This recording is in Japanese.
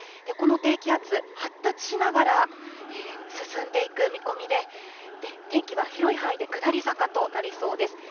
この低気圧、発達しながら進んでいく見込みで、天気は広い範囲で下り坂となりそうです。